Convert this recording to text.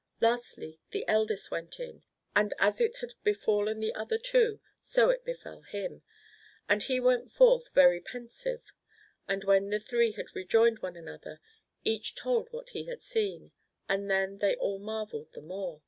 Lastly, the eldest went in, and as it had befallen the other two, so it befell him. And he went forth very pensive. And when the three had rejoined one another, each told what he had seen ; and then they all marvelled the more.